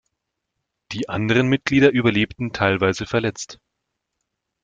Die anderen Mitglieder überlebten teilweise verletzt.